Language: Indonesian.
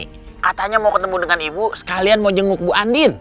katanya mau ketemu dengan ibu sekalian mau jenguk bu andin